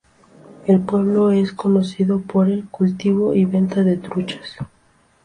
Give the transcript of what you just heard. El pueblo es conocido por el cultivo y venta de truchas.